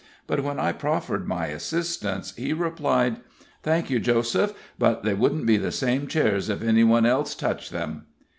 But when I proffered my assistance, he replied: "Thank you, Joseph; but they wouldn't be the same chairs if any one else touched them."